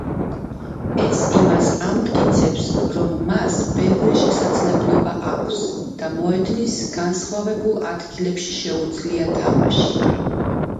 ეს იმას ამტკიცებს, რომ მას ბევრი შესაძლებლობა აქვს და მოედნის განსხვავებულ ადგილებში შეუძლია თამაში.